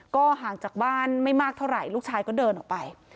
ก็ห่างจากบ้านไม่มากเท่าไหร่ลูกชายก็เดินออกไป